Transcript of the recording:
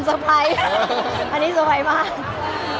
มันเป็นเรื่องน่ารักที่เวลาเจอกันเราต้องแซวอะไรอย่างเงี้ย